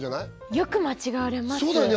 よく間違われますそうだよね